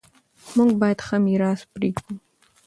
موږ باید ښه میراث پریږدو.